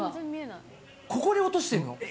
ここに落としてんの？